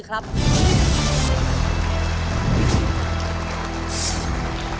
สุโขทัยคอยใหญ่